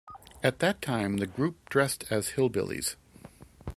At that time the group dressed as hillbillies.